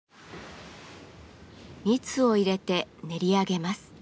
蜜を入れて練り上げます。